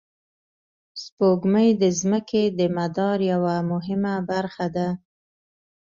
سپوږمۍ د ځمکې د مدار یوه مهمه برخه ده